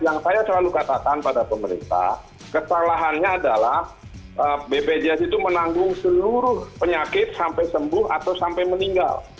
yang saya selalu katakan pada pemerintah kesalahannya adalah bpjs itu menanggung seluruh penyakit sampai sembuh atau sampai meninggal